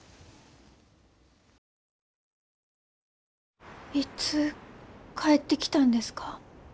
いつ帰ってきたんですか？